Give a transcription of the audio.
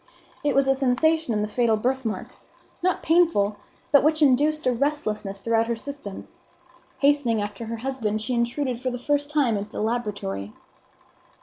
It was a sensation in the fatal birthmark, not painful, but which induced a restlessness throughout her system. Hastening after her husband, she intruded for the first time into the laboratory.